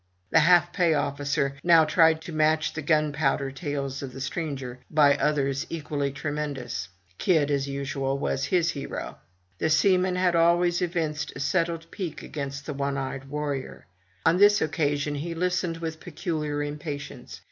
The half pay officer now tried to match the gunpowder tales of the stranger by others equally tremendous. Kidd, as usual, was his hero. The seaman had always evinced a settled pique against the one eyed warrior. On this occasion he listened with peculiar impatience.